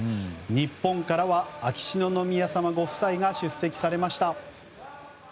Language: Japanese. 日本からは秋篠宮ご夫妻が出席されました。